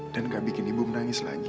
dan gak bikin ibu menangis lagi